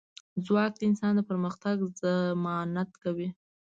ځواک د انسان د پرمختګ ضمانت کوي.